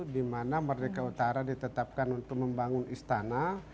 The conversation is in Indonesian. dimana merdeka utara ditetapkan untuk membangun istana